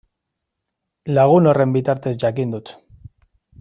Lagun horren bitartez jakin dut.